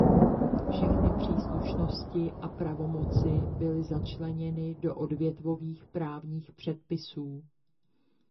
Všechny příslušnosti a pravomoci byly začleněny do odvětvových právních předpisů.